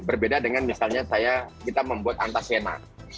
berbeda dengan misalnya kita membuat antasena